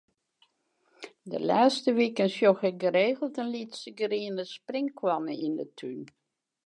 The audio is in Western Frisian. De lêste wiken sjoch ik geregeld in lytse griene sprinkhoanne yn 'e tún.